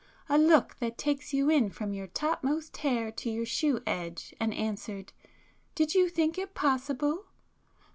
—a look that takes you in from your topmost hair to your shoe edge,—and answered 'Did you think it possible!